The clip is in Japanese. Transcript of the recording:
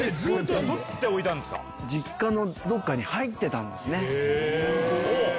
実家のどっかに入ってたんですね。